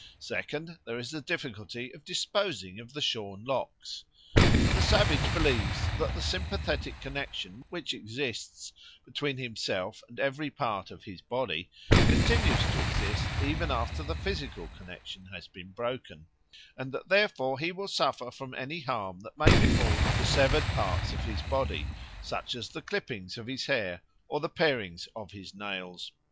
Secondly, there is the difficulty of disposing of the shorn locks. For the savage believes that the sympathetic connexion which exists between himself and every part of his body continues to exist even after the physical connexion has been broken, and that therefore he will suffer from any harm that may befall the several parts of his body, such as the clippings of his hair or the parings of his nails.